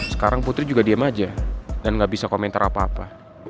sekarang putri juga diem aja dan nggak bisa komentar apa apa